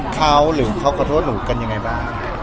เขาหรือเขาขอโทษหนูกันยังไงบ้าง